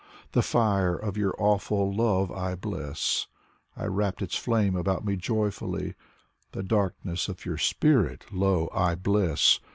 The fire of your awful love I bless! I wrapped its flame about me joyfully. The darkness of your spirit, lo, I bless